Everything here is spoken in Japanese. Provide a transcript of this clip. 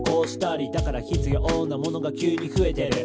「だから必要なものが急に増えてる」